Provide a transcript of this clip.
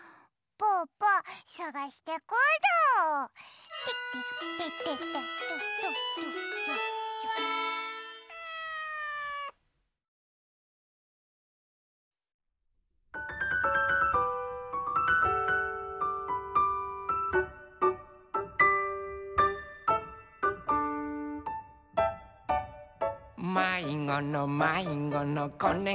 「まいごのまいごのこねこちゃん」